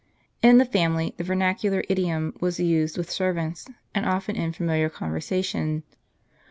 In the family, the vernacular idiom was used with servants, and often in familiar conversation.